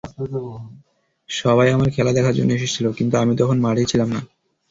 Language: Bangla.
সবাই আমার খেলা দেখার জন্য এসেছিল, কিন্তু আমি তখন মাঠেই ছিলাম না।